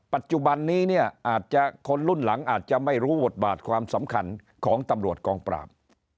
ปัจจุบันนี้เนี่ยอาจจะคนรุ่นหลังอาจจะไม่รู้บทบาทความสำคัญของตำรวจกองปราบ